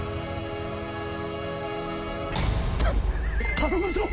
頼むぞ！